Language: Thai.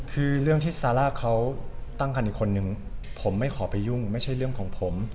คือเรื่องที่ซาร่าเขาตั้งคันอีกคนนึงผมไม่ขอไปยุ่งไม่ใช่เรื่องของผม